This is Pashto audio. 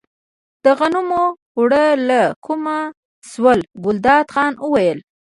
د غنمو اوړه له کومه شول، ګلداد خان وویل.